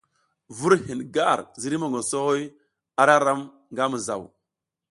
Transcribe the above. Vur hin gar ziriy mongoso a ra ram nga mizaw.